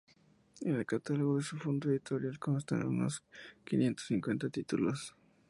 En el catálogo de su fondo editorial constan unos quinientos cincuenta títulos.